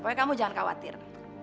pokoknya kamu jangan khawatir